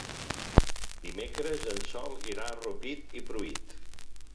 Dimecres en Sol irà a Rupit i Pruit.